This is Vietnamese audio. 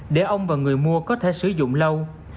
để ông và người mua có thể sử dụng lâu